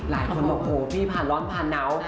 หลายคนนี่พี่ผ่านล้อมผ่านน้ำ